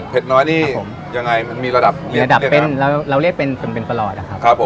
เผ็ดน้อยนี่ยังไงมันมีระดับระดับเป็นเราเรียกเป็นเป็นปลอดครับครับครับผม